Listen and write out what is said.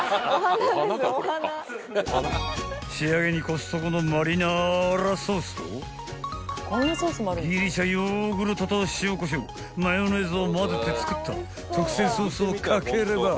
［仕上げにコストコのマリナラソースとギリシャヨーグルトと塩こしょうマヨネーズを混ぜて作った特製ソースを掛ければ］